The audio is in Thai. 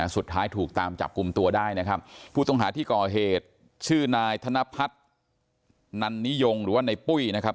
สุดท้ายถูกตามจับกลุ่มตัวได้นะครับผู้ต้องหาที่ก่อเหตุชื่อนายธนพัฒน์นันนิยมหรือว่าในปุ้ยนะครับ